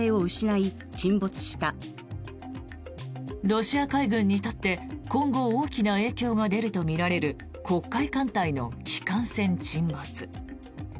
ロシア海軍にとって今後、大きな影響が出るとみられる黒海艦隊の旗艦船沈没。